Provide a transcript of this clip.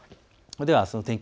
ではあすの天気